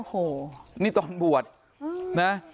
โอ้โหนี่ตอนบวชนะ